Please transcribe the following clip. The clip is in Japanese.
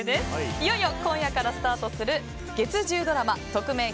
いよいよ今夜からスタートする月１０ドラマ「トクメイ！